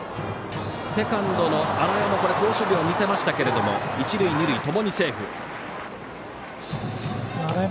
セカンドの荒江も好守備を見せましたが一塁、二塁ともにセーフ。